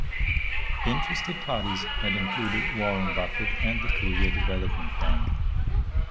Interested parties had included Warren Buffett and the Korea Development Bank.